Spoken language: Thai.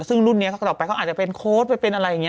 ซึ่งรุ่นนี้ต่อไปเขาอาจจะเป็นโค้ดไปเป็นอะไรอย่างนี้